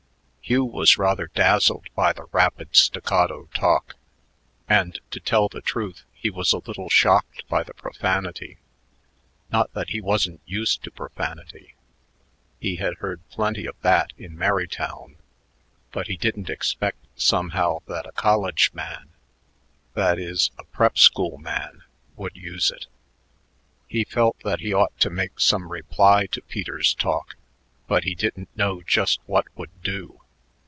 Hugh was rather dazzled by the rapid, staccato talk, and, to tell the truth, he was a little shocked by the profanity. Not that he wasn't used to profanity; he had heard plenty of that in Merrytown, but he didn't expect somehow that a college man that is, a prep school man would use it. He felt that he ought to make some reply to Peters's talk, but he didn't know just what would do.